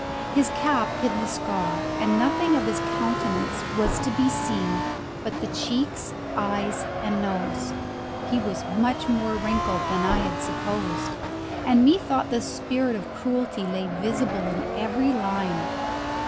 His cap hid the scar, and nothing of his countenance was to be seen but the cheeks, eyes, and nose; he was much more wrinkled than I had supposed, and methought the spirit of cruelty lay visible in every line.